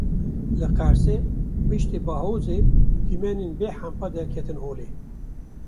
Li Qersê piştî bahozê dîmenên bêhempa derketin holê.